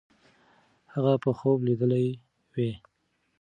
هغه به خوب لیدلی وي.